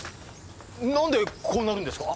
何でこうなるんですか？